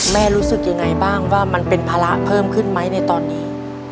รู้สึกยังไงบ้างว่ามันเป็นภาระเพิ่มขึ้นไหมในตอนนี้